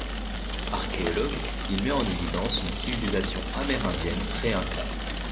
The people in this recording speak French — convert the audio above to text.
Archéologue, il met en évidence une civilisation amérindienne pré-Inca.